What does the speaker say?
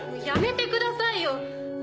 やめてくださいよ！